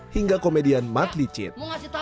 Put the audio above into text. hingga komedian matlicit